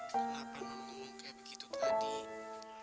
kenapa ngomong ngomong kayak begitu tadi